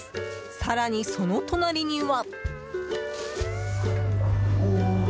更に、その隣には。